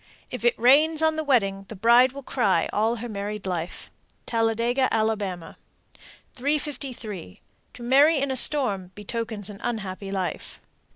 If it rains on the wedding, the bride will cry all her married life. Talladega, Ala. 353. To marry in a storm betokens an unhappy life.